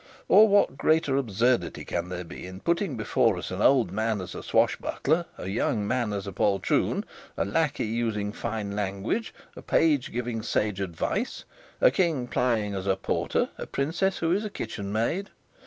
Or what greater absurdity can there be than putting before us an old man as a swashbuckler, a young man as a poltroon, a lackey using fine language, a page giving sage advice, a king plying as a porter, a princess who is a kitchen maid?